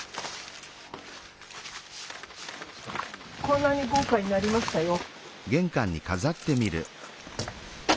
こんなに豪華になりましたよ。